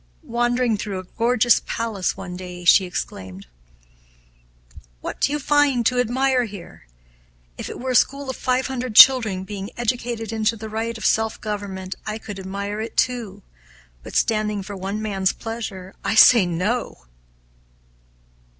Wandering through a gorgeous palace one day, she exclaimed, "What do you find to admire here? If it were a school of five hundred children being educated into the right of self government I could admire it, too; but standing for one man's pleasure, I say no!"